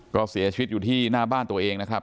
ก็เสียชีวิตอยู่ที่หน้าบ้านตัวเองนะครับ